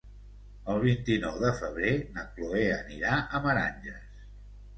El vint-i-nou de febrer na Chloé anirà a Meranges.